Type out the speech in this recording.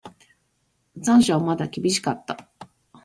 残暑はまだ厳しかった。